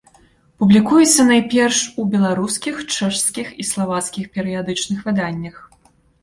Публікуецца найперш у беларускіх, чэшскіх і славацкіх перыядычных выданнях.